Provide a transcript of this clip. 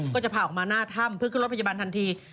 ก็จะพาออกมาหน้าถ้ำเพื่อขึ้นรถพยาบาลทันที